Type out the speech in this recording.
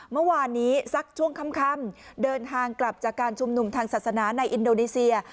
เมื่อวานนี้สักช่วงค่ำเดินทางกลับจากการชุมนุมทางศาสนาในอินโดนีเซีย